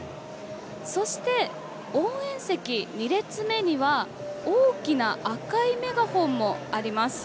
そして、応援席、２列目には大きな赤いメガホンもあります。